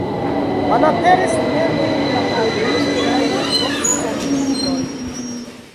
Malaperis ne nur la armitaj drogsolduloj.